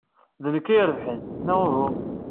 D nekkni ay irebḥen, neɣ uhu?